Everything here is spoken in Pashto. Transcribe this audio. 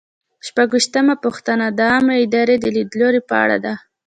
شپږویشتمه پوښتنه د عامه ادارې د لیدلوري په اړه ده.